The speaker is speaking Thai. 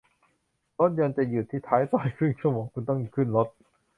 รถยนต์จะหยุดที่ท้ายซอยครึ่งชั่วโมง คุณต้องขึ้นรถ